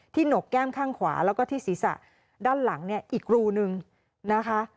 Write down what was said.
หนกแก้มข้างขวาแล้วก็ที่ศีรษะด้านหลังเนี่ยอีกรูนึงนะคะ